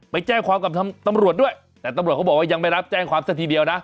ไปแจ้งความกับตำรวจด้วยแต่ตำรวจเขาบอกว่ายังไม่รับแจ้งความซะทีเดียวนะ